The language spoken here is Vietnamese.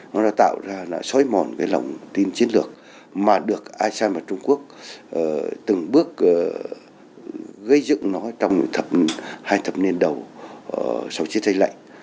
nó đã tạo ra xói mòn cái lòng tin chiến lược mà được asean và trung quốc từng bước gây dựng nó trong hai thập niên đầu sau chiến tranh lạnh